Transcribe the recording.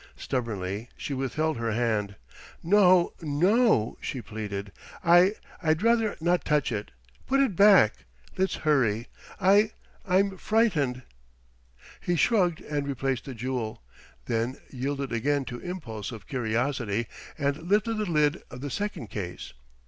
Stubbornly she withheld her hand. "No, no!" she pleaded. "I I'd rather not touch it. Put it back. Let's hurry. I I'm frightened." He shrugged and replaced the jewel; then yielded again to impulse of curiosity and lifted the lid of the second case.